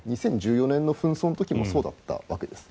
２０１４年の紛争の時もそうだったわけです。